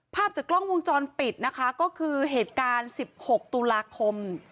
ภาพจากกล้องวงจรปิดนะคะก็คือเหตุการณ์๑๖ตุลาคม